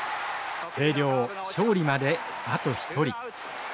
星稜勝利まであと１人。